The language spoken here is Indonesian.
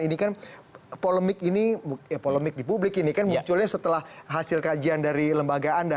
ini kan polemik di publik ini kan munculnya setelah hasil kajian dari lembaga anda